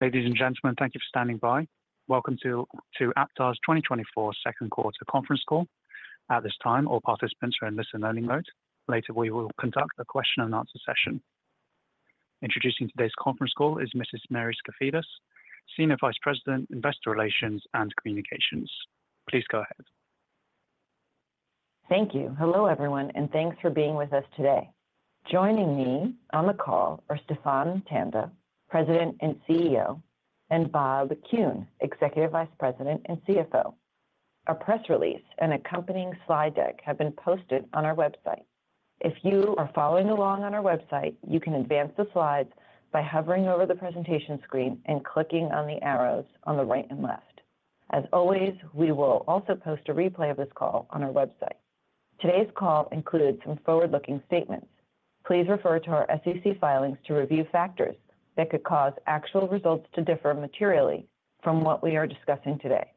Ladies and gentlemen, thank you for standing by. Welcome to Aptar's 2024 second quarter conference call. At this time, all participants are in listen-only mode. Later, we will conduct a question-and-answer session. Introducing today's conference call is Mrs. Mary Skafidas, Senior Vice President, Investor Relations and Communications. Please go ahead. Thank you. Hello, everyone, and thanks for being with us today. Joining me on the call are Stephan Tanda, President and CEO, and Bob Kuhn, Executive Vice President and CFO. A press release and accompanying slide deck have been posted on our website. If you are following along on our website, you can advance the slides by hovering over the presentation screen and clicking on the arrows on the right and left. As always, we will also post a replay of this call on our website. Today's call includes some forward-looking statements. Please refer to our SEC filings to review factors that could cause actual results to differ materially from what we are discussing today.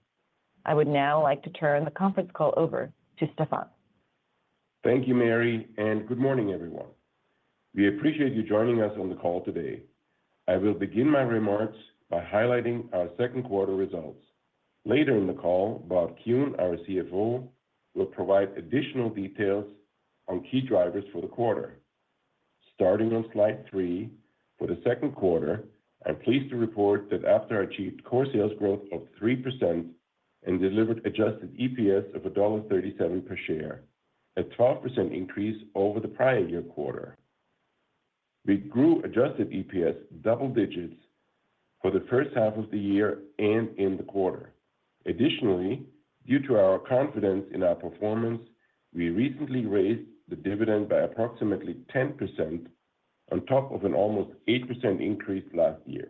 I would now like to turn the conference call over to Stephan. Thank you, Mary, and good morning, everyone. We appreciate you joining us on the call today. I will begin my remarks by highlighting our second quarter results. Later in the call, Bob Kuhn, our CFO, will provide additional details on key drivers for the quarter. Starting on slide 3 for the second quarter, I'm pleased to report that Aptar achieved core sales growth of 3% and delivered adjusted EPS of $1.37 per share, a 12% increase over the prior year quarter. We grew adjusted EPS double digits for the first half of the year and in the quarter. Additionally, due to our confidence in our performance, we recently raised the dividend by approximately 10% on top of an almost 8% increase last year.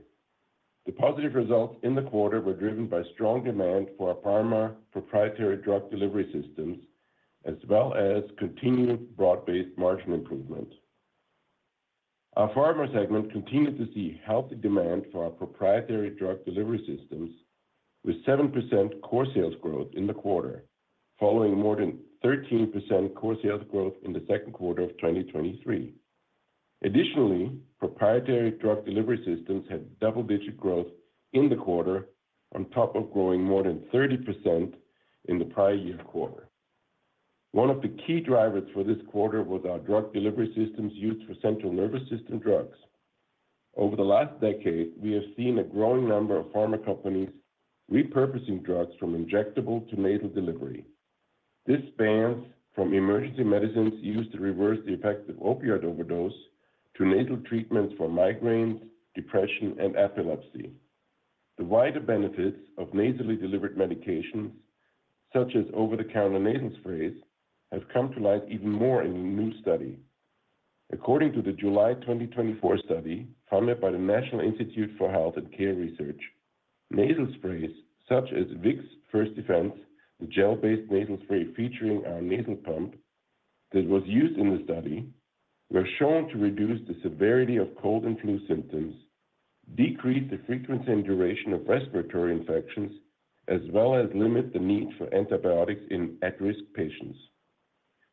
The positive results in the quarter were driven by strong demand for our pharma proprietary drug delivery systems, as well as continued broad-based margin improvement. Our pharma segment continued to see healthy demand for our proprietary drug delivery systems, with 7% core sales growth in the quarter, following more than 13% core sales growth in the second quarter of 2023. Additionally, proprietary drug delivery systems had double-digit growth in the quarter, on top of growing more than 30% in the prior year quarter. One of the key drivers for this quarter was our drug delivery systems used for Central Nervous System drugs. Over the last decade, we have seen a growing number of pharma companies repurposing drugs from injectable to nasal delivery. This spans from emergency medicines used to reverse the effects of opioid overdose to nasal treatments for migraines, depression, and epilepsy. The wider benefits of nasally delivered medications, such as over-the-counter nasal sprays, have come to light even more in a new study. According to the July 2024 study funded by the National Institute for Health and Care Research, nasal sprays such as Vicks First Defence, the gel-based nasal spray featuring our nasal pump that was used in the study, were shown to reduce the severity of cold and flu symptoms, decrease the frequency and duration of respiratory infections, as well as limit the need for antibiotics in at-risk patients.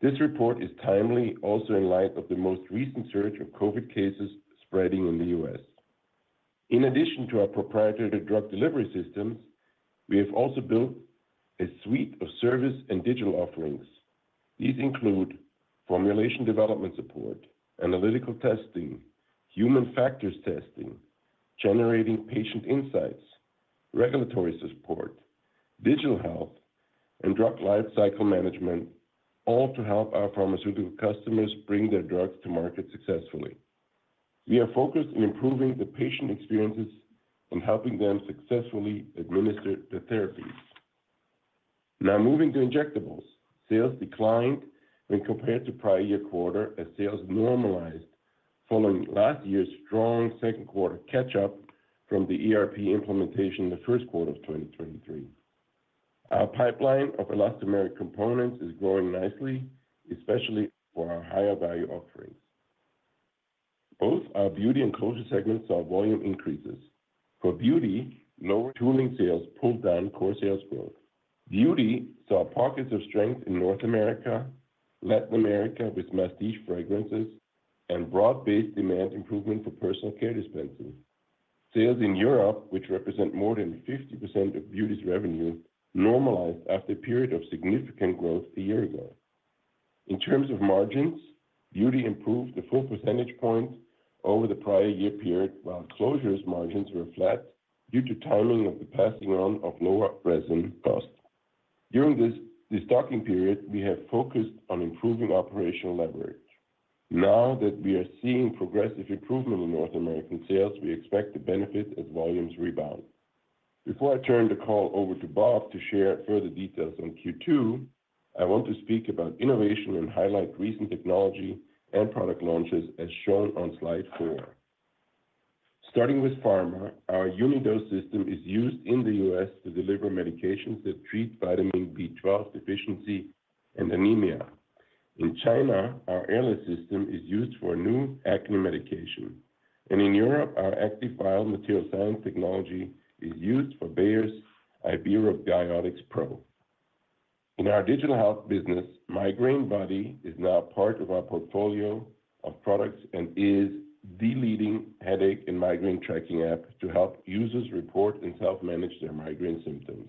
This report is timely, also in light of the most recent surge of COVID cases spreading in the US. In addition to our proprietary drug delivery systems, we have also built a suite of service and digital offerings. These include formulation development support, analytical testing, human factors testing, generating patient insights, regulatory support, digital health, and drug life cycle management, all to help our pharmaceutical customers bring their drugs to market successfully. We are focused on improving the patient experiences and helping them successfully administer the therapies. Now, moving to injectables, sales declined when compared to prior year quarter as sales normalized following last year's strong second quarter catch-up from the ERP implementation in the first quarter of 2023. Our pipeline of elastomeric components is growing nicely, especially for our higher value offerings. Both our beauty and closure segments saw volume increases. For beauty, lower tooling sales pulled down core sales growth. Beauty saw pockets of strength in North America, Latin America, with masstige fragrances, and broad-based demand improvement for personal care dispensers. Sales in Europe, which represent more than 50% of beauty's revenue, normalized after a period of significant growth a year ago. In terms of margins, beauty improved a full percentage point over the prior year period, while closures margins were flat due to timing of the passing on of lower resin costs. During this stocking period, we have focused on improving operational leverage. Now that we are seeing progressive improvement in North America sales, we expect to benefit as volumes rebound. Before I turn the call over to Bob to share further details on Q2, I want to speak about innovation and highlight recent technology and product launches as shown on slide four. Starting with pharma, our Unidose system is used in the US to deliver medications that treat vitamin B12 deficiency and anemia. In China, our Airless system is used for a new acne medication. In Europe, our Activ-Vial material science technology is used for Bayer's IberoBiotics Pro. In our digital health business, Migraine Buddy is now part of our portfolio of products and is the leading headache and migraine tracking app to help users report and self-manage their migraine symptoms.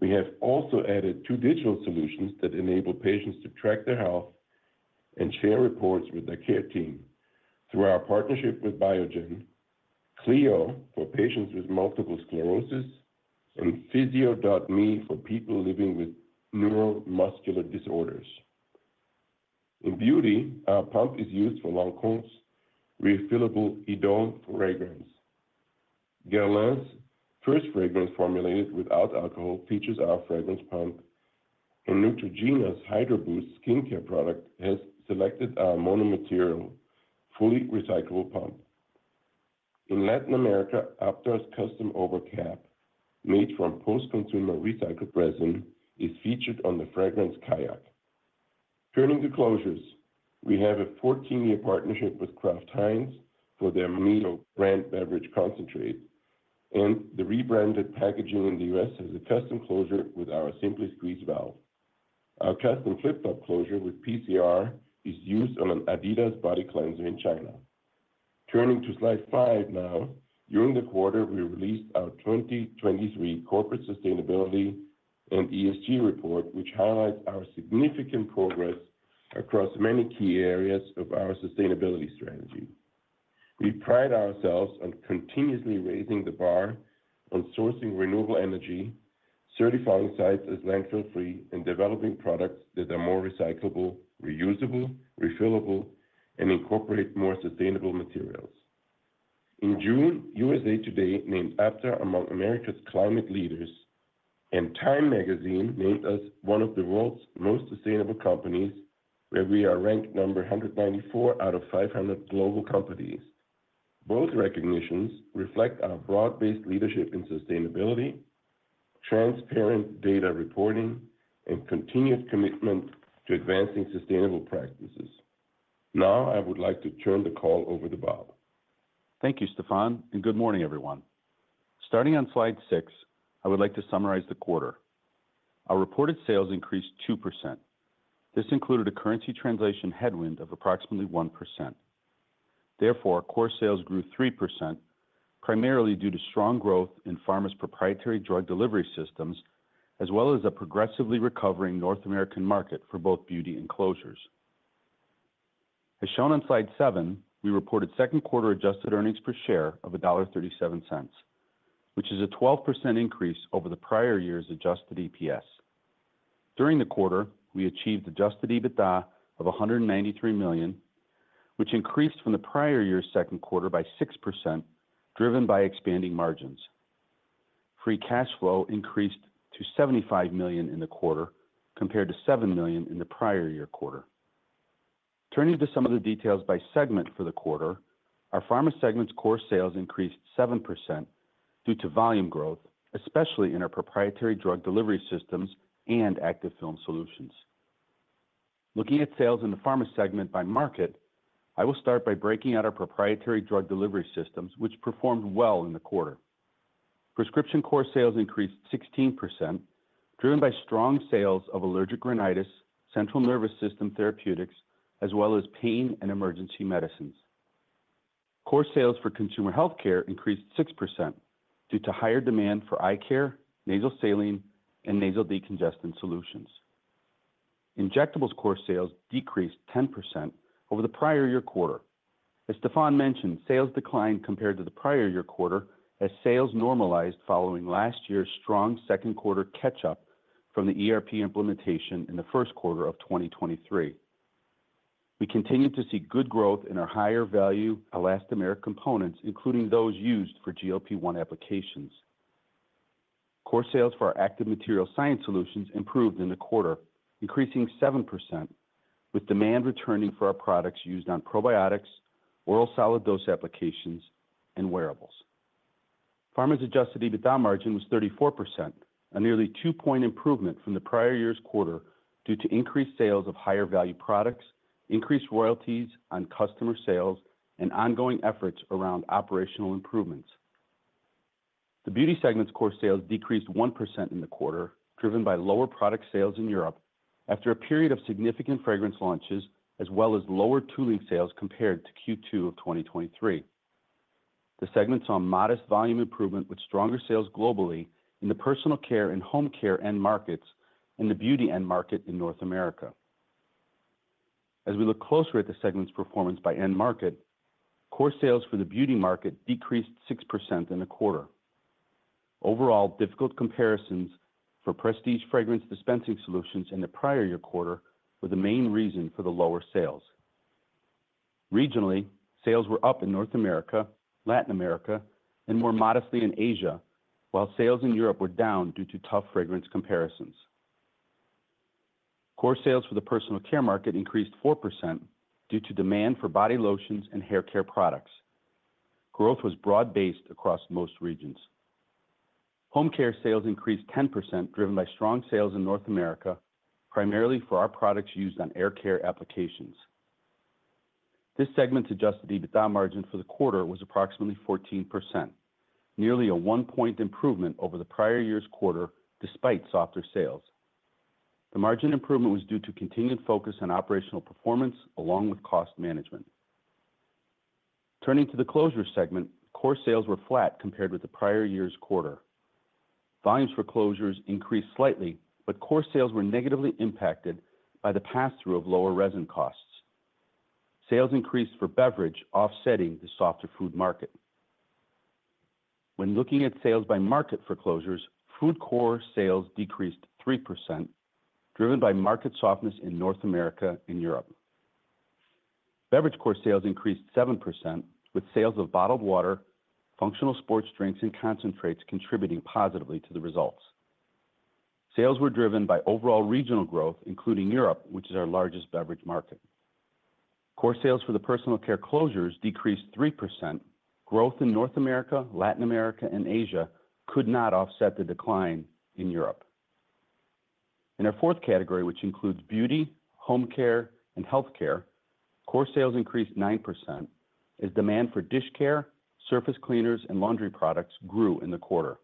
We have also added two digital solutions that enable patients to track their health and share reports with their care team. Through our partnership with Biogen, Cleo for patients with multiple sclerosis, and Physio.me for people living with neuromuscular disorders. In beauty, our pump is used for Lancôme's refillable Idôle fragrance. Guerlain's first fragrance formulated without alcohol features our fragrance pump, and Neutrogena's Hydro Boost skincare product has selected our monomaterial fully recyclable pump. In Latin America, Aptar's custom overcap made from post-consumer recycled resin is featured on the fragrance Kaiak. Turning to closures, we have a 14-year partnership with Kraft Heinz for their MiO brand beverage concentrate, and the rebranded packaging in the US has a custom closure with our Simply Squeeze valve. Our custom flip-top closure with PCR is used on an Adidas body cleanser in China. Turning to slide 5 now, during the quarter, we released our 2023 corporate sustainability and ESG report, which highlights our significant progress across many key areas of our sustainability strategy. We pride ourselves on continuously raising the bar on sourcing renewable energy, certifying sites as landfill-free, and developing products that are more recyclable, reusable, refillable, and incorporate more sustainable materials. In June, USA Today named Aptar among America's climate leaders, and Time Magazine named us one of the world's most sustainable companies, where we are ranked 194 out of 500 global companies. Both recognitions reflect our broad-based leadership in sustainability, transparent data reporting, and continued commitment to advancing sustainable practices. Now, I would like to turn the call over to Bob. Thank you, Stephan, and good morning, everyone. Starting on slide 6, I would like to summarize the quarter. Our reported sales increased 2%. This included a currency translation headwind of approximately 1%. Therefore, core sales grew 3%, primarily due to strong growth in pharma's proprietary drug delivery systems, as well as a progressively recovering North American market for both beauty and closures. As shown on slide 7, we reported second quarter adjusted earnings per share of $1.37, which is a 12% increase over the prior year's adjusted EPS. During the quarter, we achieved adjusted EBITDA of $193 million, which increased from the prior year's second quarter by 6%, driven by expanding margins. Free cash flow increased to $75 million in the quarter, compared to $7 million in the prior year quarter. Turning to some of the details by segment for the quarter, our pharma segment's core sales increased 7% due to volume growth, especially in our proprietary drug delivery systems and Activ-Film solutions. Looking at sales in the pharma segment by market, I will start by breaking out our proprietary drug delivery systems, which performed well in the quarter. Prescription core sales increased 16%, driven by strong sales of allergic rhinitis, central nervous system therapeutics, as well as pain and emergency medicines. Core sales for consumer healthcare increased 6% due to higher demand for eye care, nasal saline, and nasal decongestant solutions. Injectables core sales decreased 10% over the prior year quarter. As Stephan mentioned, sales declined compared to the prior year quarter as sales normalized following last year's strong second quarter catch-up from the ERP implementation in the first quarter of 2023. We continue to see good growth in our higher value elastomeric components, including those used for GLP-1 applications. Core sales for our Active Material Science solutions improved in the quarter, increasing 7%, with demand returning for our products used on probiotics, oral solid dose applications, and wearables. Pharma's adjusted EBITDA margin was 34%, a nearly 2-point improvement from the prior year's quarter due to increased sales of higher value products, increased royalties on customer sales, and ongoing efforts around operational improvements. The beauty segment's core sales decreased 1% in the quarter, driven by lower product sales in Europe after a period of significant fragrance launches, as well as lower tooling sales compared to Q2 of 2023. The segment saw modest volume improvement with stronger sales globally in the personal care and home care end markets and the beauty end market in North America. As we look closer at the segment's performance by end market, core sales for the beauty market decreased 6% in the quarter. Overall, difficult comparisons for prestige fragrance dispensing solutions in the prior year quarter were the main reason for the lower sales. Regionally, sales were up in North America, Latin America, and more modestly in Asia, while sales in Europe were down due to tough fragrance comparisons. Core sales for the personal care market increased 4% due to demand for body lotions and hair care products. Growth was broad-based across most regions. Home care sales increased 10%, driven by strong sales in North America, primarily for our products used on hair care applications. This segment's adjusted EBITDA margin for the quarter was approximately 14%, nearly a one-point improvement over the prior year's quarter despite softer sales. The margin improvement was due to continued focus on operational performance along with cost management. Turning to the closure segment, core sales were flat compared with the prior year's quarter. Volumes for closures increased slightly, but core sales were negatively impacted by the pass-through of lower resin costs. Sales increased for beverage, offsetting the softer food market. When looking at sales by market for closures, food core sales decreased 3%, driven by market softness in North America and Europe. Beverage core sales increased 7%, with sales of bottled water, functional sports drinks, and concentrates contributing positively to the results. Sales were driven by overall regional growth, including Europe, which is our largest beverage market. Core sales for the personal care closures decreased 3%. Growth in North America, Latin America, and Asia could not offset the decline in Europe. In our fourth category, which includes beauty, home care, and healthcare, core sales increased 9% as demand for dish care, surface cleaners, and laundry products grew in the quarter.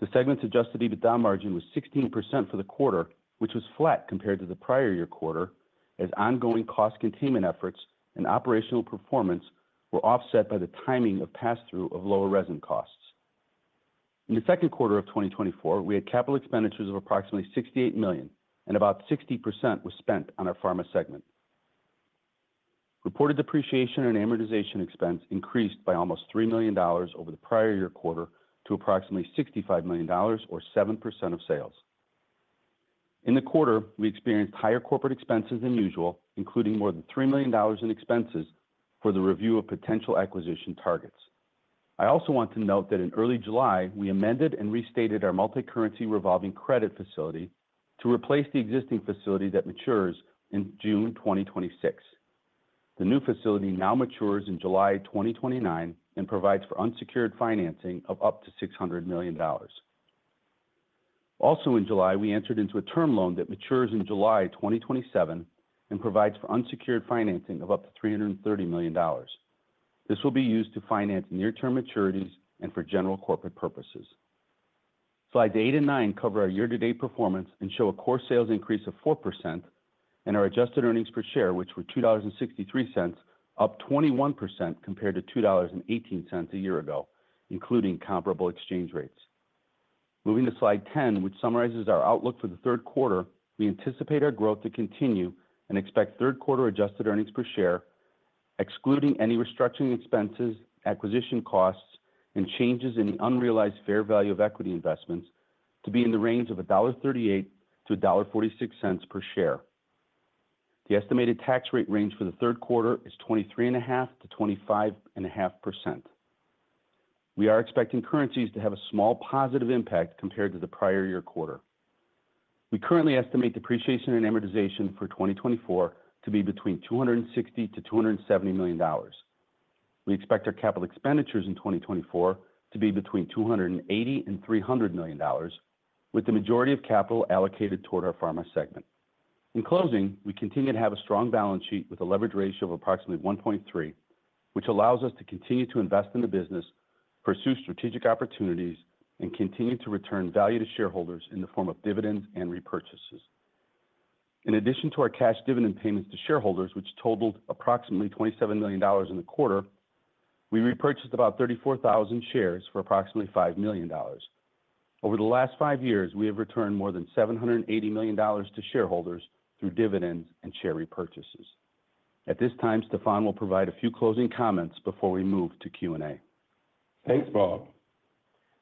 The segment's adjusted EBITDA margin was 16% for the quarter, which was flat compared to the prior year quarter as ongoing cost containment efforts and operational performance were offset by the timing of pass-through of lower resin costs. In the second quarter of 2024, we had capital expenditures of approximately $68 million, and about 60% was spent on our pharma segment. Reported depreciation and amortization expense increased by almost $3 million over the prior year quarter to approximately $65 million, or 7% of sales. In the quarter, we experienced higher corporate expenses than usual, including more than $3 million in expenses for the review of potential acquisition targets. I also want to note that in early July, we amended and restated our multi-currency revolving credit facility to replace the existing facility that matures in June 2026. The new facility now matures in July 2029 and provides for unsecured financing of up to $600 million. Also, in July, we entered into a term loan that matures in July 2027 and provides for unsecured financing of up to $330 million. This will be used to finance near-term maturities and for general corporate purposes. Slides eight and nine cover our year-to-date performance and show a core sales increase of 4% and our adjusted earnings per share, which were $2.63, up 21% compared to $2.18 a year ago, including comparable exchange rates. Moving to slide 10, which summarizes our outlook for the third quarter, we anticipate our growth to continue and expect third quarter adjusted earnings per share, excluding any restructuring expenses, acquisition costs, and changes in the unrealized fair value of equity investments, to be in the range of $1.38-$1.46 per share. The estimated tax rate range for the third quarter is 23.5%-25.5%. We are expecting currencies to have a small positive impact compared to the prior year quarter. We currently estimate depreciation and amortization for 2024 to be between $260 million-$270 million. We expect our capital expenditures in 2024 to be between $280 million and $300 million, with the majority of capital allocated toward our pharma segment. In closing, we continue to have a strong balance sheet with a leverage ratio of approximately 1.3, which allows us to continue to invest in the business, pursue strategic opportunities, and continue to return value to shareholders in the form of dividends and repurchases. In addition to our cash dividend payments to shareholders, which totaled approximately $27 million in the quarter, we repurchased about 34,000 shares for approximately $5 million. Over the last 5 years, we have returned more than $780 million to shareholders through dividends and share repurchases. At this time, Stephan will provide a few closing comments before we move to Q&A. Thanks, Bob.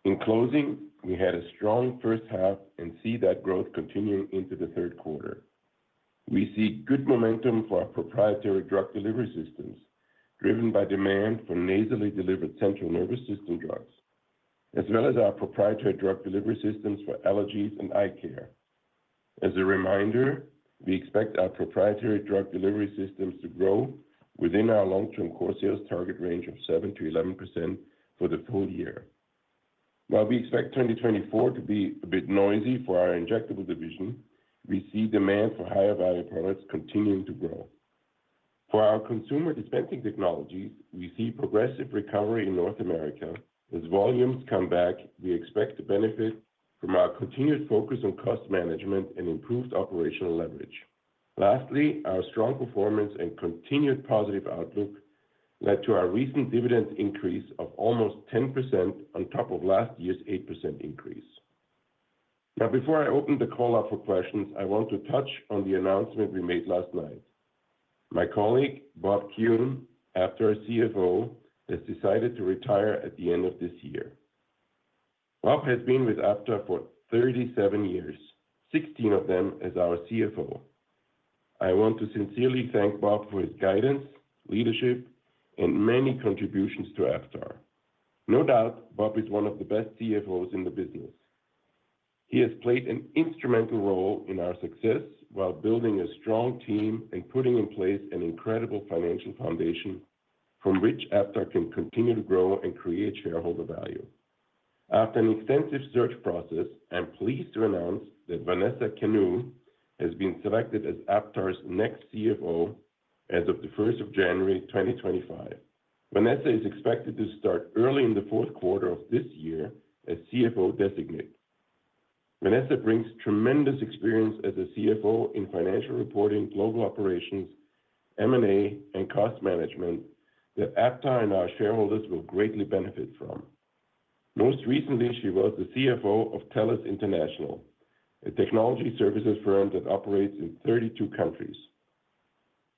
In closing, we had a strong first half and see that growth continuing into the third quarter. We see good momentum for our proprietary drug delivery systems, driven by demand for nasally delivered central nervous system drugs, as well as our proprietary drug delivery systems for allergies and eye care. As a reminder, we expect our proprietary drug delivery systems to grow within our long-term core sales target range of 7%-11% for the full year. While we expect 2024 to be a bit noisy for our injectable division, we see demand for higher value products continuing to grow. For our consumer dispensing technologies, we see progressive recovery in North America. As volumes come back, we expect to benefit from our continued focus on cost management and improved operational leverage. Lastly, our strong performance and continued positive outlook led to our recent dividend increase of almost 10% on top of last year's 8% increase. Now, before I open the call up for questions, I want to touch on the announcement we made last night. My colleague, Bob Kuhn, Aptar CFO, has decided to retire at the end of this year. Bob has been with Aptar for 37 years, 16 of them as our CFO. I want to sincerely thank Bob for his guidance, leadership, and many contributions to Aptar. No doubt, Bob is one of the best CFOs in the business. He has played an instrumental role in our success while building a strong team and putting in place an incredible financial foundation from which Aptar can continue to grow and create shareholder value. After an extensive search process, I'm pleased to announce that Vanessa Kanu has been selected as Aptar's next CFO as of the 1st of January 2025. Vanessa is expected to start early in the fourth quarter of this year as CFO designate. Vanessa brings tremendous experience as a CFO in financial reporting, global operations, M&A, and cost management that Aptar and our shareholders will greatly benefit from. Most recently, she was the CFO of TELUS International, a technology services firm that operates in 32 countries.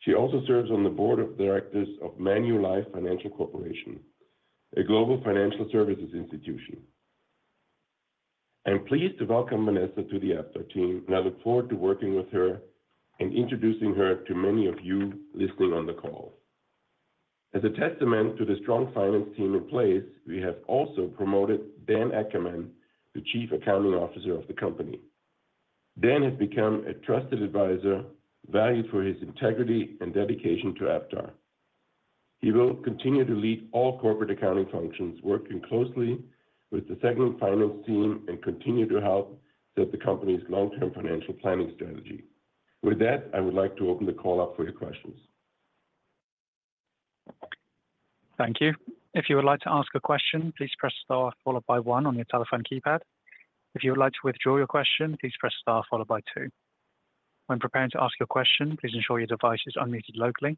She also serves on the board of directors of Manulife Financial Corporation, a global financial services institution. I'm pleased to welcome Vanessa to the Aptar team, and I look forward to working with her and introducing her to many of you listening on the call. As a testament to the strong finance team in place, we have also promoted Dan Ackerman, the Chief Accounting Officer of the company. Dan has become a trusted advisor, valued for his integrity and dedication to Aptar. He will continue to lead all corporate accounting functions, working closely with the segment finance team, and continue to help set the company's long-term financial planning strategy. With that, I would like to open the call up for your questions. Thank you. If you would like to ask a question, please press star followed by one on your telephone keypad. If you would like to withdraw your question, please press star followed by two. When preparing to ask your question, please ensure your device is unmuted locally.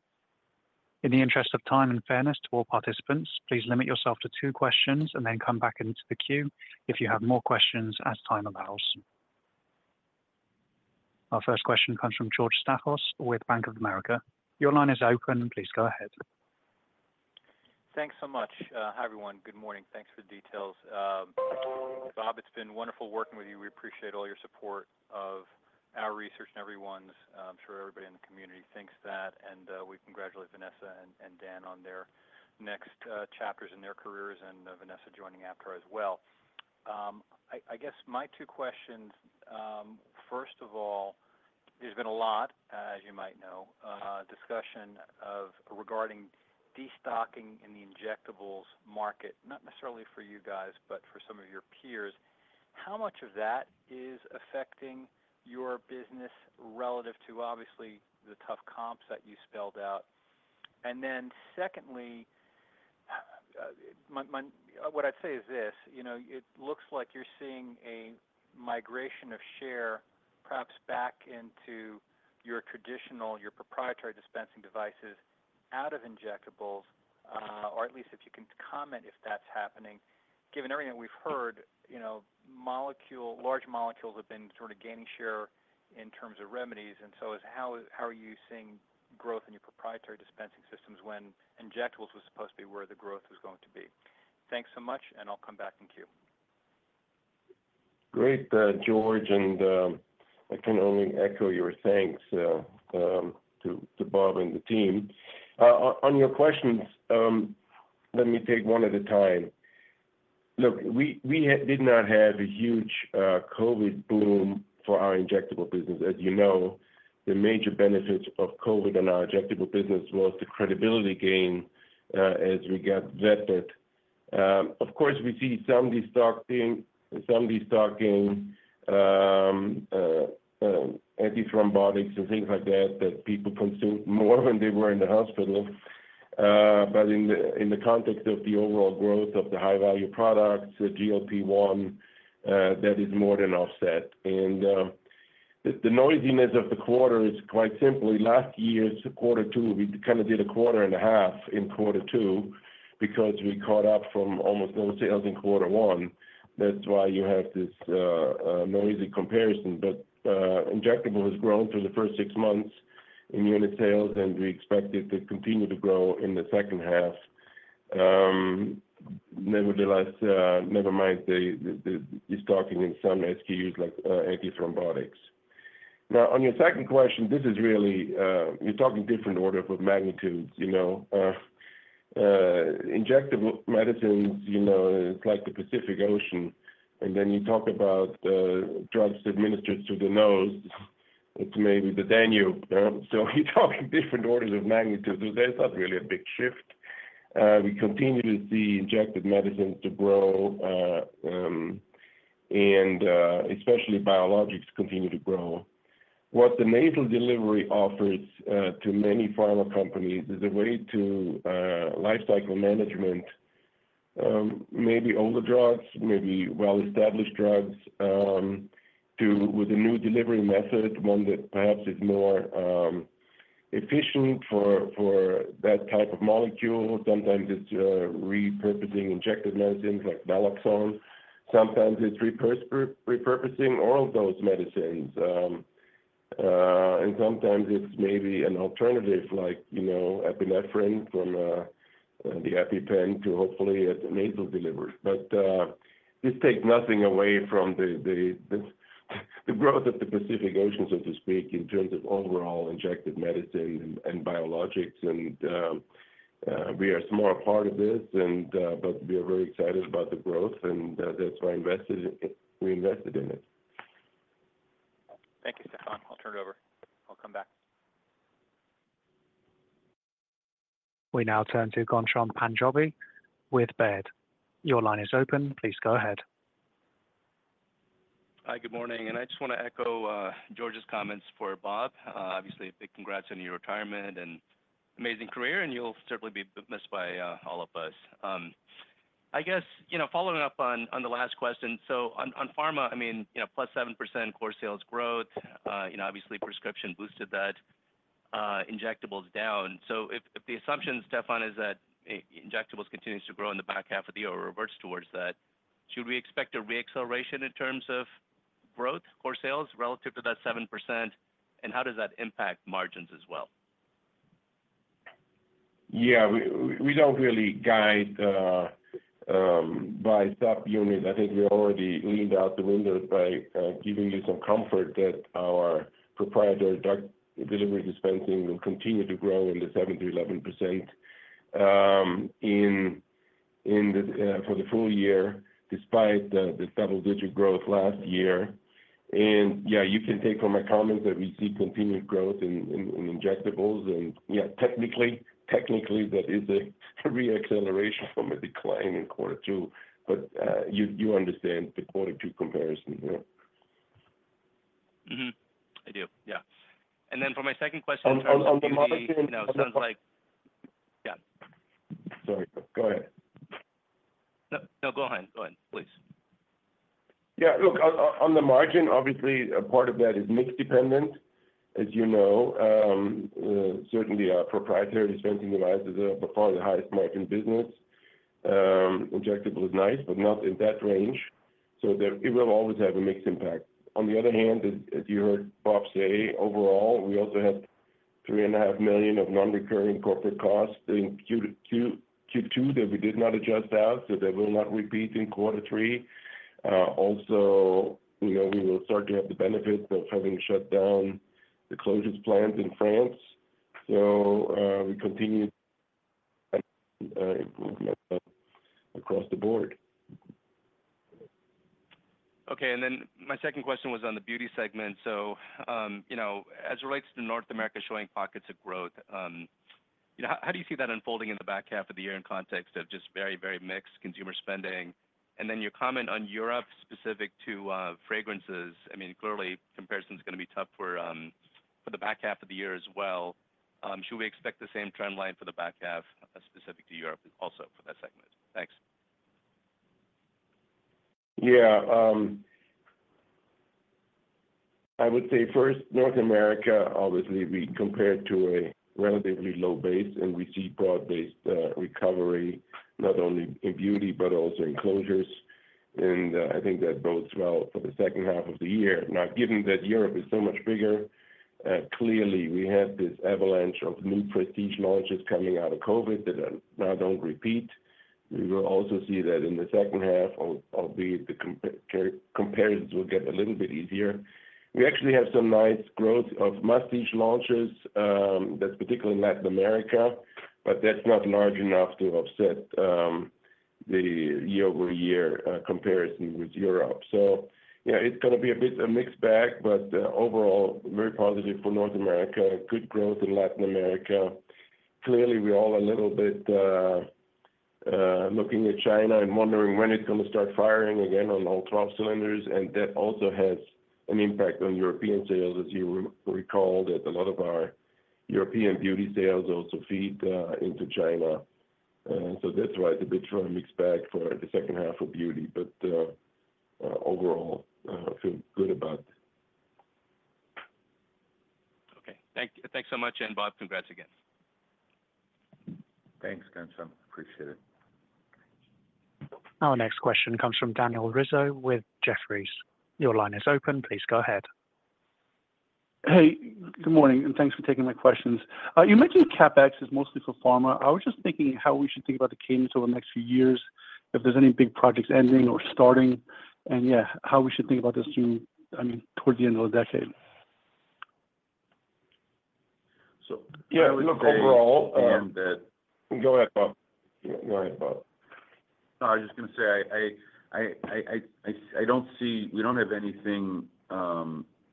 In the interest of time and fairness to all participants, please limit yourself to two questions and then come back into the queue if you have more questions as time allows. Our first question comes from George Staphos with Bank of America. Your line is open. Please go ahead. Thanks so much. Hi, everyone. Good morning. Thanks for the details. Bob, it's been wonderful working with you. We appreciate all your support of our research and everyone's. I'm sure everybody in the community thinks that. We congratulate Vanessa and Dan on their next chapters in their careers and Vanessa joining Aptar as well. I guess my two questions, first of all, there's been a lot, as you might know, discussion regarding destocking in the injectables market, not necessarily for you guys, but for some of your peers. How much of that is affecting your business relative to, obviously, the tough comps that you spelled out? And then secondly, what I'd say is this: it looks like you're seeing a migration of share, perhaps back into your traditional, your proprietary dispensing devices out of injectables, or at least if you can comment if that's happening. Given everything that we've heard, large molecules have been sort of gaining share in terms of remedies. So how are you seeing growth in your proprietary dispensing systems when injectables was supposed to be where the growth was going to be? Thanks so much, and I'll come back in queue. Great, George, and I can only echo your thanks to Bob and the team. On your questions, let me take one at a time. Look, we did not have a huge COVID boom for our injectable business. As you know, the major benefits of COVID on our injectable business was the credibility gain as we got vetted. Of course, we see some destocking, anti-thrombotics, and things like that that people consumed more when they were in the hospital. But in the context of the overall growth of the high-value products, the GLP-1, that is more than offset. And the noisiness of the quarter is quite simple. Last year's quarter two, we kind of did a quarter and a half in quarter two because we caught up from almost no sales in quarter one. That's why you have this noisy comparison. But injectable has grown through the first 6 months in unit sales, and we expect it to continue to grow in the second half. Nevertheless, never mind the stocking in some SKUs like anti-thrombotics. Now, on your second question, this is really you're talking different orders of magnitudes. Injectable medicines, it's like the Pacific Ocean. And then you talk about drugs administered through the nose. It's maybe the Danube. So we're talking different orders of magnitude. So there's not really a big shift. We continue to see injectable medicines to grow, and especially biologics continue to grow. What the nasal delivery offers to many pharma companies is a way to lifecycle management, maybe older drugs, maybe well-established drugs, with a new delivery method, one that perhaps is more efficient for that type of molecule. Sometimes it's repurposing injectable medicines like Naloxone. Sometimes it's repurposing oral dose medicines. Sometimes it's maybe an alternative like epinephrine from the EpiPen to hopefully a nasal delivery. But this takes nothing away from the growth of the Pacific Ocean, so to speak, in terms of overall injectable medicine and biologics. We are a small part of this, but we are very excited about the growth, and that's why we invested in it. Thank you, Stephan. I'll turn it over. I'll come back. We now turn to Ghansham Panjabi with Baird. Your line is open. Please go ahead. Hi, good morning. I just want to echo George's comments for Bob. Obviously, big congrats on your retirement and amazing career, and you'll certainly be missed by all of us. I guess following up on the last question, so on pharma, I mean, +7% core sales growth, obviously, prescription boosted that, injectables down. So if the assumption, Stephan, is that injectables continue to grow in the back half of the year or reverts towards that, should we expect a reacceleration in terms of growth, core sales relative to that 7%? And how does that impact margins as well? Yeah, we don't really guide by subunits. I think we already leaned out the window by giving you some comfort that our proprietary drug delivery dispensing will continue to grow in the 7%-11% for the full year despite the double-digit growth last year. And yeah, you can take from my comments that we see continued growth in injectables. And yeah, technically, technically, that is a reacceleration from a decline in quarter two. But you understand the quarter two comparison. I do. Yeah. And then for my second question. On the margin. No, it sounds like. Sorry, go ahead. No, go ahead. Go ahead, please. Yeah, look, on the margin, obviously, a part of that is mix dependent, as you know. Certainly, our proprietary dispensing devices are by far the highest margin business. Injectable is nice, but not in that range. So it will always have a mix impact. On the other hand, as you heard Bob say, overall, we also have $3.5 million of non-recurring corporate costs in Q2 that we did not adjust out, so that will not repeat in quarter three. Also, we will start to have the benefits of having shut down the closest plant in France. So we continue to improve across the board. Okay. And then my second question was on the beauty segment. So as it relates to North America showing pockets of growth, how do you see that unfolding in the back half of the year in context of just very, very mixed consumer spending? And then your comment on Europe specific to fragrances, I mean, clearly, comparison is going to be tough for the back half of the year as well. Should we expect the same trend line for the back half specific to Europe also for that segment? Thanks. Yeah. I would say first, North America, obviously, we compare to a relatively low base, and we see broad-based recovery, not only in beauty but also in closures. And I think that bodes well for the second half of the year. Now, given that Europe is so much bigger, clearly, we had this avalanche of new prestige launches coming out of COVID that now don't repeat. We will also see that in the second half, albeit the comparisons will get a little bit easier. We actually have some nice growth of must-have launches. That's particularly in Latin America, but that's not large enough to offset the year-over-year comparison with Europe. So yeah, it's going to be a bit of a mixed bag, but overall, very positive for North America. Good growth in Latin America. Clearly, we're all a little bit looking at China and wondering when it's going to start firing again on all 12 cylinders. And that also has an impact on European sales, as you recall, that a lot of our European beauty sales also feed into China. So that's why it's a bit of a mixed bag for the second half of beauty. But overall, I feel good about it. Okay. Thanks so much. And Bob, congrats again. Thanks, Ghansham. Appreciate it. Our next question comes from Daniel Rizzo with Jefferies. Your line is open. Please go ahead. Hey, good morning, and thanks for taking my questions. You mentioned CapEx is mostly for pharma. I was just thinking how we should think about the cadence over the next few years, if there's any big projects ending or starting, and yeah, how we should think about this through, I mean, towards the end of the decade? Yeah, look, overall. And. Go ahead, Bob. Go ahead, Bob. Sorry, I was just going to say I don't see we don't have anything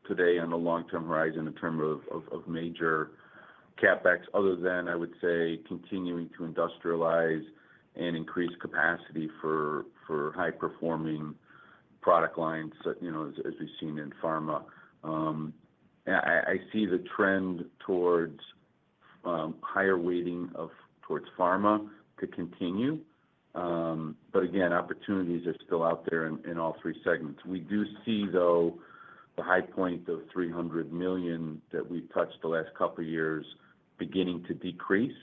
today on the long-term horizon in terms of major CapEx other than, I would say, continuing to industrialize and increase capacity for high-performing product lines as we've seen in pharma. I see the trend towards higher weighting towards pharma to continue. But again, opportunities are still out there in all three segments. We do see, though, the high point of $300 million that we've touched the last couple of years beginning to decrease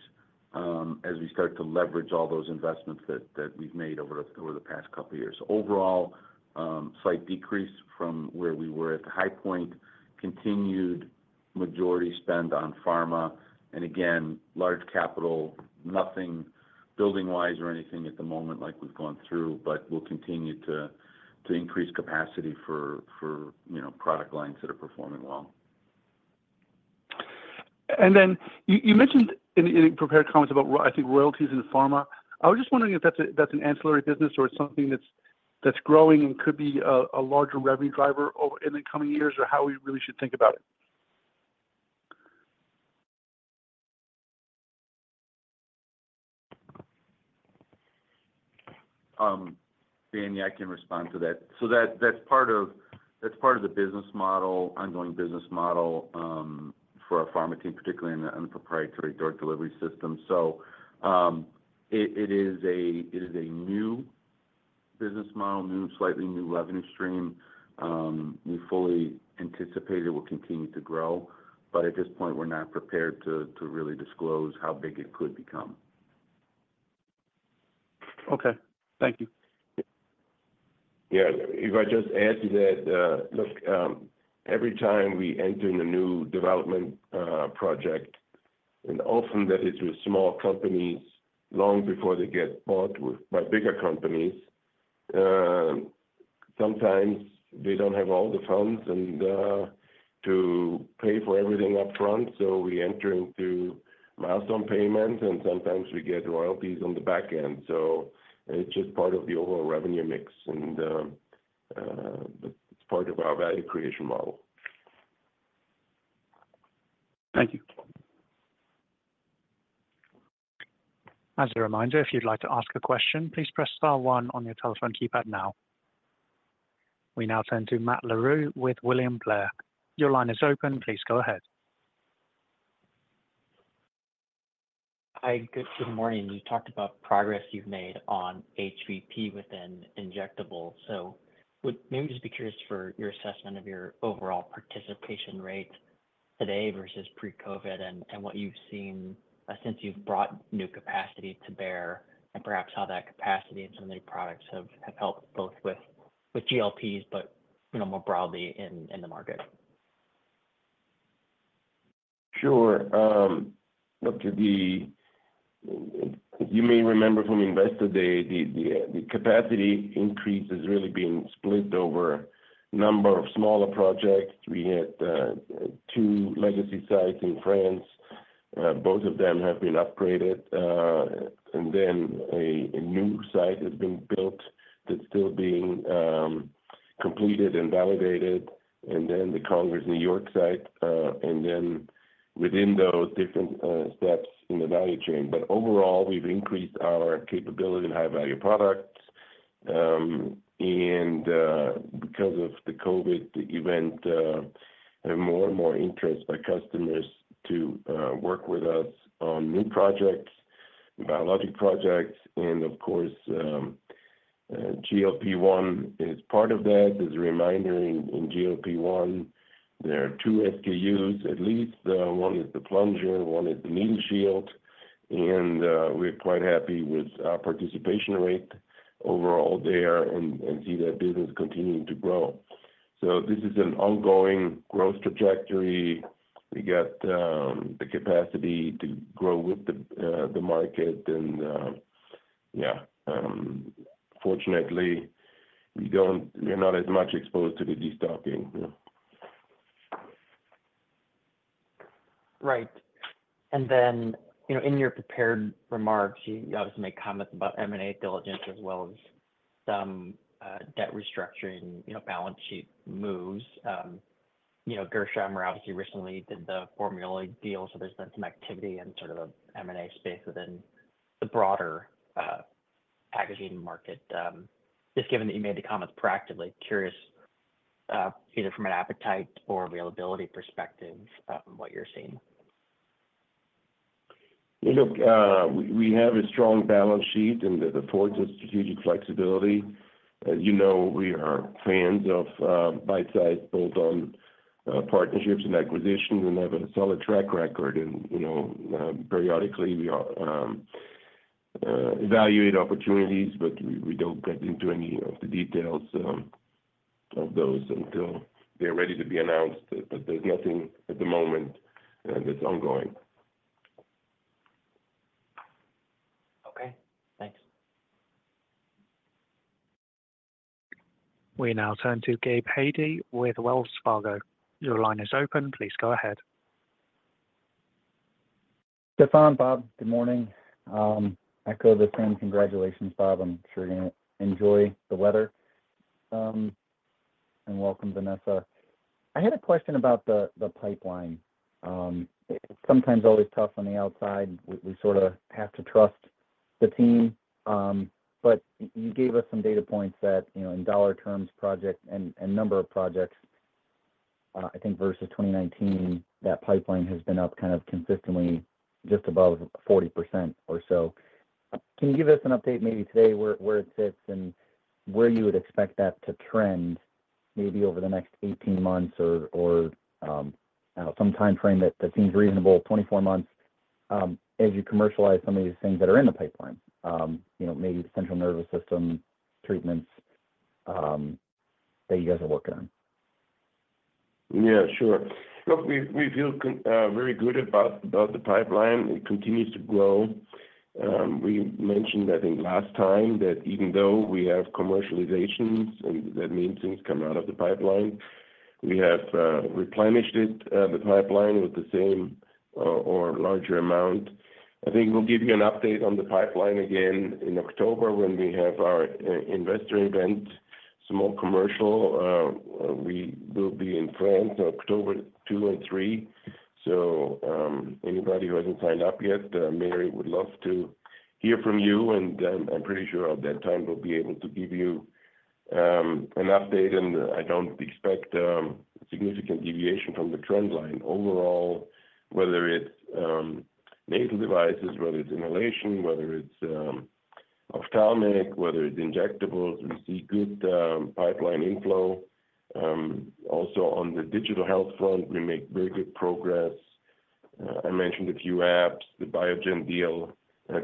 as we start to leverage all those investments that we've made over the past couple of years. Overall, slight decrease from where we were at the high point, continued majority spend on pharma. And again, large capital, nothing building-wise or anything at the moment like we've gone through, but we'll continue to increase capacity for product lines that are performing well. And then you mentioned in your prepared comments about, I think, royalties in pharma. I was just wondering if that's an ancillary business or it's something that's growing and could be a larger revenue driver in the coming years or how we really should think about it? Danny, I can respond to that. So that's part of the business model, ongoing business model for our pharma team, particularly on the proprietary drug delivery system. So it is a new business model, slightly new revenue stream. We fully anticipate it will continue to grow. But at this point, we're not prepared to really disclose how big it could become. Okay. Thank you. Yeah. If I just add to that, look, every time we enter in a new development project, and often that is with small companies long before they get bought by bigger companies, sometimes they don't have all the funds to pay for everything upfront. So we enter into milestone payments, and sometimes we get royalties on the back end. So it's just part of the overall revenue mix, and it's part of our value creation model. Thank you. As a reminder, if you'd like to ask a question, please press star one on your telephone keypad now. We now turn to Matt Larew with William Blair. Your line is open. Please go ahead. Hi, good morning. You talked about progress you've made on HVP within injectables. So maybe just be curious for your assessment of your overall participation rate today versus pre-COVID and what you've seen since you've brought new capacity to bear and perhaps how that capacity and some of the new products have helped both with GLPs but more broadly in the market. Sure. Look, you may remember from investor, the capacity increase has really been split over a number of smaller projects. We had two legacy sites in France. Both of them have been upgraded. Then a new site has been built that's still being completed and validated. Then the Congers, New York site. Then within those different steps in the value chain. But overall, we've increased our capability and high-value products. And because of the COVID event, there's more and more interest by customers to work with us on new projects, biologics projects. And of course, GLP-1 is part of that. As a reminder, in GLP-1, there are two SKUs at least. One is the plunger. One is the needle shield. And we're quite happy with our participation rate overall there and see that business continuing to grow. So this is an ongoing growth trajectory. We got the capacity to grow with the market. Yeah, fortunately, we're not as much exposed to the de-stocking. Right. Then in your prepared remarks, you obviously made comments about M&A diligence as well as some debt restructuring balance sheet moves. Ghansham obviously recently did the formula deal. So there's been some activity in sort of the M&A space within the broader packaging market. Just given that you made the comments proactively, curious either from an appetite or availability perspective what you're seeing? Look, we have a strong balance sheet and the force of strategic flexibility. As you know, we are fans of bite-sized bolt-on partnerships and acquisitions and have a solid track record. Periodically, we evaluate opportunities, but we don't get into any of the details of those until they're ready to be announced. There's nothing at the moment that's ongoing. Okay. Thanks. We now turn to Gabe Hajde with Wells Fargo. Your line is open. Please go ahead. Stephan, Bob, good morning. I echo the sentiment. Congratulations, Bob. I'm sure you're going to enjoy the weather. And welcome, Vanessa. I had a question about the pipeline. Sometimes always tough on the outside. We sort of have to trust the team. But you gave us some data points that in dollar terms, project and number of projects, I think versus 2019, that pipeline has been up kind of consistently just above 40% or so. Can you give us an update maybe today where it sits and where you would expect that to trend maybe over the next 18 months or some time frame that seems reasonable, 24 months, as you commercialize some of these things that are in the pipeline, maybe the Central Nervous System treatments that you guys are working on? Yeah, sure. Look, we feel very good about the pipeline. It continues to grow. We mentioned, I think, last time that even though we have commercializations and that means things come out of the pipeline, we have replenished the pipeline with the same or larger amount. I think we'll give you an update on the pipeline again in October when we have our investor event, small commercial. We will be in France in October 2 and 3. So anybody who hasn't signed up yet, Mary would love to hear from you. And I'm pretty sure at that time we'll be able to give you an update. And I don't expect significant deviation from the trend line. Overall, whether it's nasal devices, whether it's inhalation, whether it's ophthalmic, whether it's injectables, we see good pipeline inflow. Also on the digital health front, we make very good progress. I mentioned a few apps. The Biogen deal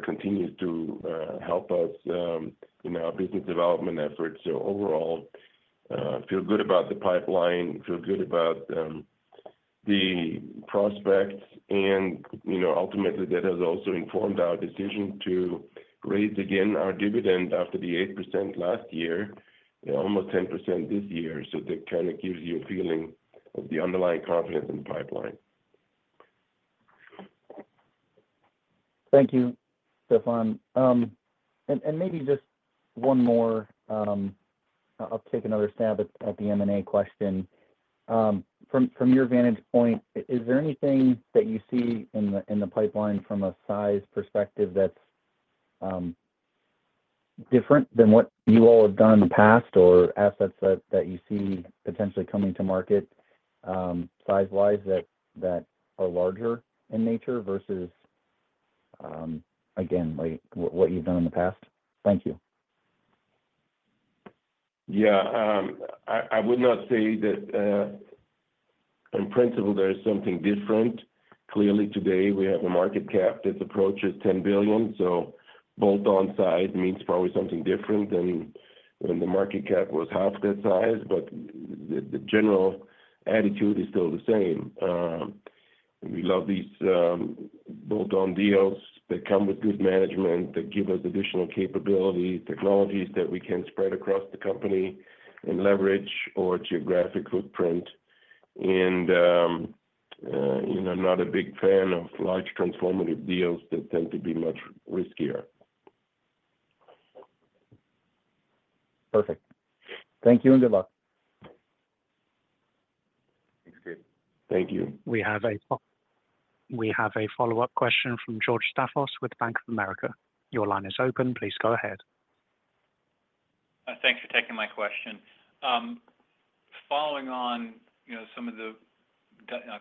continues to help us in our business development efforts. So overall, I feel good about the pipeline. I feel good about the prospects. And ultimately, that has also informed our decision to raise again our dividend after the 8% last year, almost 10% this year. So that kind of gives you a feeling of the underlying confidence in the pipeline. Thank you, Stephan. Maybe just one more uptake, another stab at the M&A question. From your vantage point, is there anything that you see in the pipeline from a size perspective that's different than what you all have done in the past or assets that you see potentially coming to market size-wise that are larger in nature versus, again, what you've done in the past? Thank you. Yeah. I would not say that in principle there is something different. Clearly, today we have a market cap that approaches $10 billion. So bolt-on size means probably something different than when the market cap was $5 billion. But the general attitude is still the same. We love these bolt-on deals that come with good management that give us additional capabilities, technologies that we can spread across the company and leverage our geographic footprint. I'm not a big fan of large transformative deals that tend to be much riskier. Perfect. Thank you and good luck. Thanks, Gabe. Thank you. We have a follow-up question from George Staphos with Bank of America. Your line is open. Please go ahead. Thanks for taking my question. Following on some of the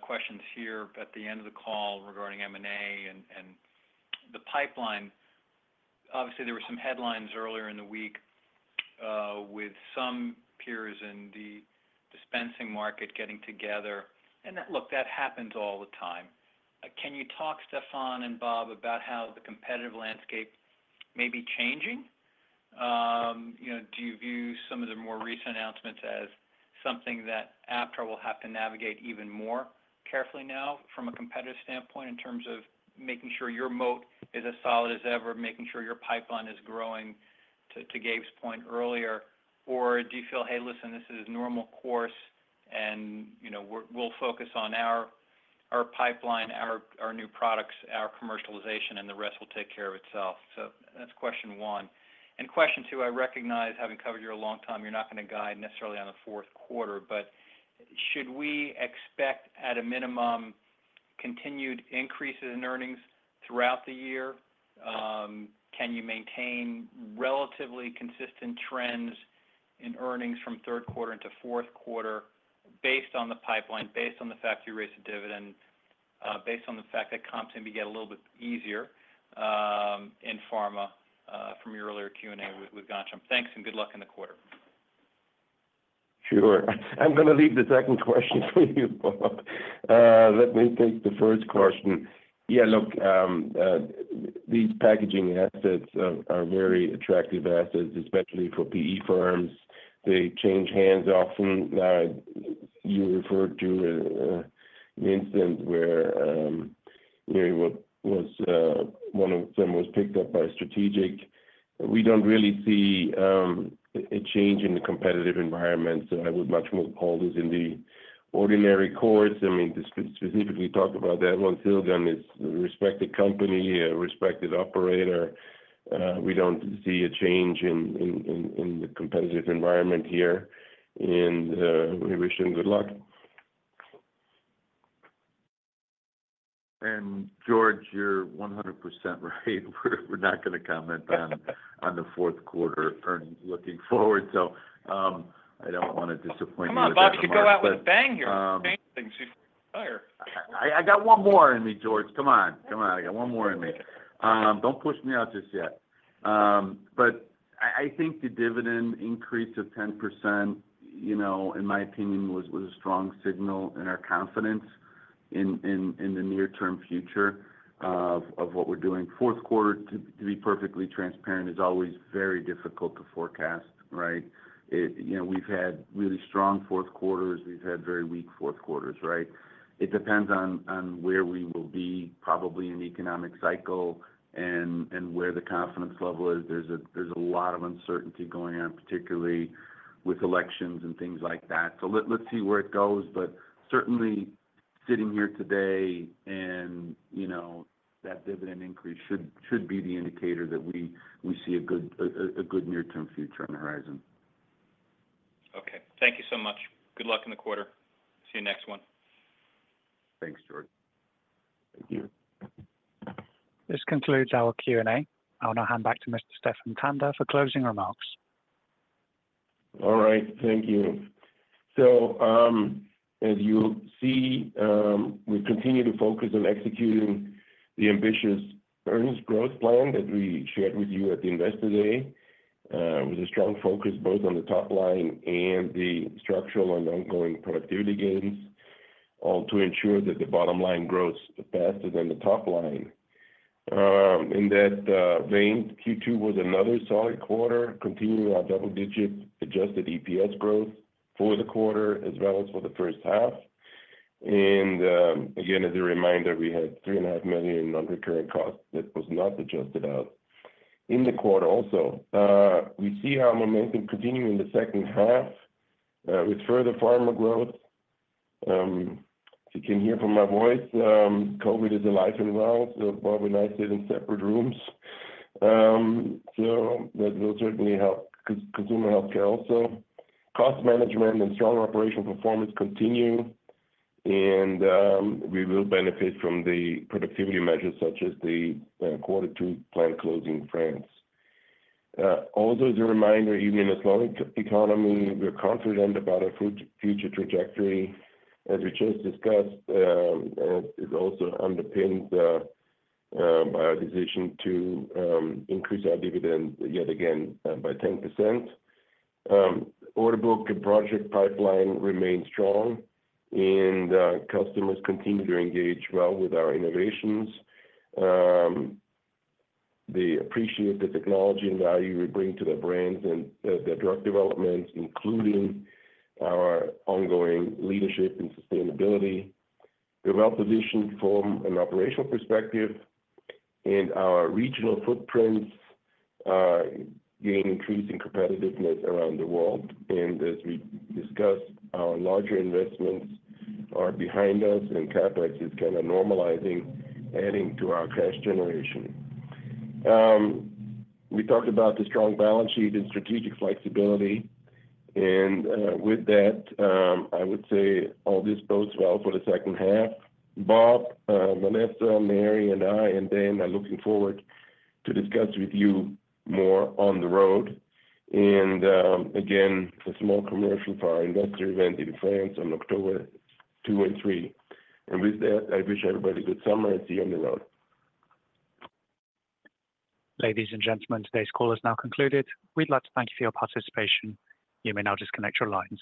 questions here at the end of the call regarding M&A and the pipeline, obviously there were some headlines earlier in the week with some peers in the dispensing market getting together. And look, that happens all the time. Can you talk, Stephan and Bob, about how the competitive landscape may be changing? Do you view some of the more recent announcements as something that Aptar will have to navigate even more carefully now from a competitive standpoint in terms of making sure your moat is as solid as ever, making sure your pipeline is growing to Gabe's point earlier? Or do you feel, "Hey, listen, this is normal course, and we'll focus on our pipeline, our new products, our commercialization, and the rest will take care of itself"? So that's question one. Question two, I recognize, having covered you a long time, you're not going to guide necessarily on the fourth quarter. Should we expect, at a minimum, continued increases in earnings throughout the year? Can you maintain relatively consistent trends in earnings from third quarter into fourth quarter based on the pipeline, based on the fact you raise a dividend, based on the fact that comps maybe get a little bit easier in pharma from your earlier Q&A with Ghansham? Thanks and good luck in the quarter. Sure. I'm going to leave the second question for you, Bob. Let me take the first question. Yeah, look, these packaging assets are very attractive assets, especially for PE firms. They change hands often. You referred to an incident where one of them was picked up by Strategic. We don't really see a change in the competitive environment. So I would much more call this in the ordinary course. I mean, to specifically talk about that one, Silgan is a respected company, a respected operator. We don't see a change in the competitive environment here. And we wish them good luck. And George, you're 100% right. We're not going to comment on the fourth quarter earnings looking forward. So I don't want to disappoint you. Come on, Bob. You can go out with a bang here. I got one more in me, George. Come on. Come on. I got one more in me. Don't push me out just yet. But I think the dividend increase of 10%, in my opinion, was a strong signal in our confidence in the near-term future of what we're doing. Fourth quarter, to be perfectly transparent, is always very difficult to forecast, right? We've had really strong fourth quarters. We've had very weak fourth quarters, right? It depends on where we will be probably in the economic cycle and where the confidence level is. There's a lot of uncertainty going on, particularly with elections and things like that. So let's see where it goes. But certainly sitting here today and that dividend increase should be the indicator that we see a good near-term future on the horizon. Okay. Thank you so much. Good luck in the quarter. See you next one. Thanks, George. Thank you. This concludes our Q&A. I'll now hand back to Mr. Stephan Tanda for closing remarks. All right. Thank you. So as you see, we continue to focus on executing the ambitious earnings growth plan that we shared with you at the investor day with a strong focus both on the top line and the structural and ongoing productivity gains, all to ensure that the bottom line grows faster than the top line. In that vein, Q2 was another solid quarter, continuing our double-digit adjusted EPS growth for the quarter as well as for the first half. And again, as a reminder, we had $3.5 million in non-recurring costs that was not adjusted out in the quarter also. We see our momentum continuing in the second half with further pharma growth. If you can hear from my voice, COVID is alive and well. So Bob and I sit in separate rooms. So that will certainly help consumer healthcare also. Cost management and strong operational performance continue. We will benefit from the productivity measures such as the quarter two plan closing in France. Also, as a reminder, even in a slowing economy, we're confident about our future trajectory. As we just discussed, it also underpins by our decision to increase our dividend yet again by 10%. Order book and project pipeline remain strong. Customers continue to engage well with our innovations. They appreciate the technology and value we bring to the brands and the drug development, including our ongoing leadership and sustainability. We're well positioned from an operational perspective. Our regional footprints gain increasing competitiveness around the world. As we discussed, our larger investments are behind us, and CapEx is kind of normalizing, adding to our cash generation. We talked about the strong balance sheet and strategic flexibility. And with that, I would say all this bodes well for the second half. Bob, Vanessa, Mary, and I, and Dan are looking forward to discussing with you more on the road. And again, a small commercial for our investor event in France on October 2 and 3. And with that, I wish everybody a good summer and see you on the road. Ladies and gentlemen, today's call is now concluded. We'd like to thank you for your participation. You may now disconnect your lines.